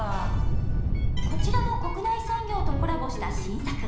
こちらも国内産業とコラボした新作。